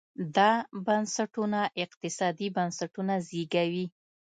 دا بنسټونه اقتصادي بنسټونه زېږوي.